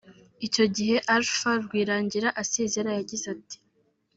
Icyo gihe Alpha Rwirangira asezera yagize ati